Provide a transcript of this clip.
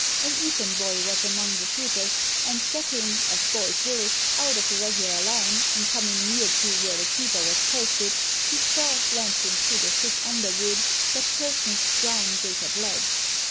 An Eton boy was among the shooters, and getting, as boys will, out of the regular line, and coming near to where the keeper was posted, he saw, glancing through the thick underwood, that person's brown gaitered legs.